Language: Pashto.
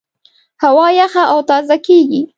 هوا یخه او تازه کېږي.